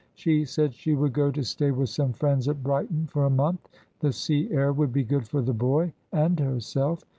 "She said she would go to stay with some friends at Brighton for a month; the sea air would be good for the boy and herself.